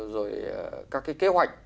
rồi các cái kế hoạch